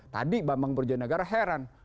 tadi bambang broja negara heran